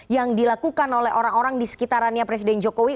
yang dilakukan oleh orang orang di sekitarannya presiden jokowi